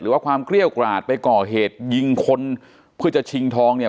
ว่าความเกรี้ยวกราดไปก่อเหตุยิงคนเพื่อจะชิงทองเนี่ย